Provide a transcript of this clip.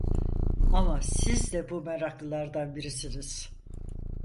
Ama siz de bu meraklılardan birisiniz…